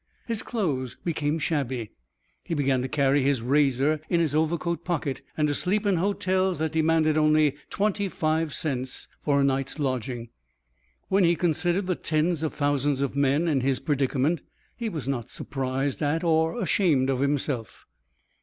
His clothes became shabby, he began to carry his razor in his overcoat pocket and to sleep in hotels that demanded only twenty five cents for a night's lodging. When he considered the tens of thousands of men in his predicament, he was not surprised at or ashamed of himself.